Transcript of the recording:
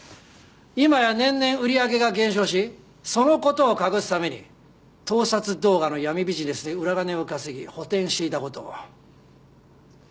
今や年々売り上げが減少しその事を隠すために盗撮動画の闇ビジネスで裏金を稼ぎ補填していた事を。